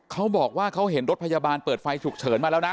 เขาบอกว่าเขาเห็นรถพยาบาลเปิดไฟฉุกเฉินมาแล้วนะ